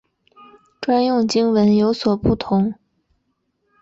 专用经文有所不同。